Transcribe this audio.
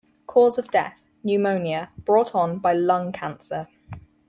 Cause of Death: Pneumonia brought on by lung cancer.